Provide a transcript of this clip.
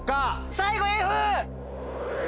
最後Ｆ！